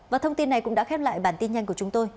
và thông tin này cũng đã khép lại bản tin nhanh của chúng tôi